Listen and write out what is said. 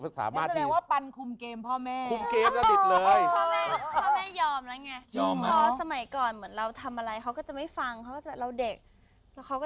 เขาก็เริ่มฟังหนูมาก